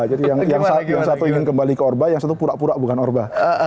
jadi yang satu ingin kembali ke orba yang satu pura pura bukan orba